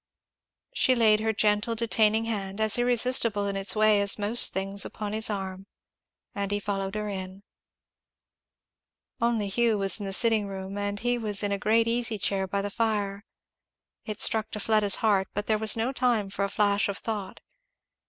She laid her gentle detaining hand, as irresistible in its way as most things, upon his arm, and he followed her in. Only Hugh was in the sitting room, and he was in a great easy chair by the fire. It struck to Fleda's heart; but there was no time but for a flash of thought.